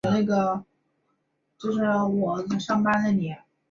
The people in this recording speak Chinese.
拉米拉里耶人口变化图示